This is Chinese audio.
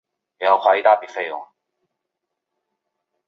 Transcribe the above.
行政中心位于安纳波利斯罗亚尔。